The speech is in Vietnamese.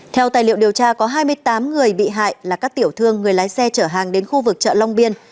theo tài liệu điều tra có hai mươi tám người bị hại là các tiểu thương người lái xe chở hàng đến khu vực chợ long biên